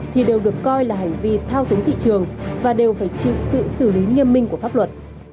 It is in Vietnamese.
thì đều được coi là hành vi thao túng thị trường và đều phải chịu sự xử lý nghiêm minh của pháp luật